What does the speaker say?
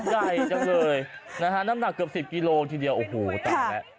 ใหญ่จังเลยนะฮะน้ำหนักเกือบ๑๐กิโลทีเดียวโอ้โหตายแล้ว